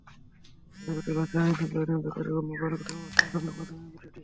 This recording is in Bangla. তবে জটিল হচ্ছে আইনশৃঙ্খলা নিয়ন্ত্রণ কার্যক্রমে মোবাইল কোর্টের মাধ্যমে দণ্ড বিধানের বিষয়টি।